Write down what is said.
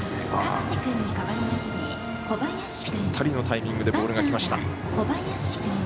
ぴったりのタイミングでボールがきました。